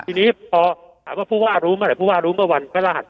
ทีนี้พอถามว่าผู้ว่ารู้เมื่อไหร่ผู้ว่ารู้เมื่อวันพระรหัส